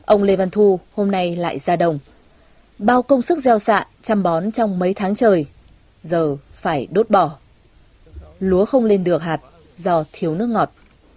ông lê văn thu hôm nay lại ra đồng bao công sức gieo xạ chăm bón trong mấy tháng trời giờ phải đốt bỏ lúa không lên được hạt do thiếu nước ngọt